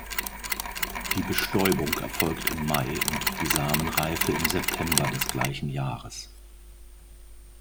Die Bestäubung erfolgt im Mai und die Samenreife im September des gleichen Jahres.